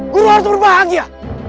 guru harus berbahagia